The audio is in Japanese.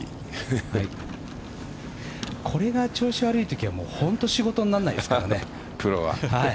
これが調子悪いときは本当に仕事にならないですからね。